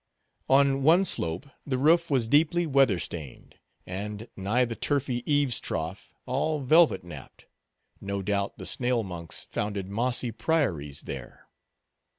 On one slope, the roof was deeply weather stained, and, nigh the turfy eaves trough, all velvet napped; no doubt the snail monks founded mossy priories there.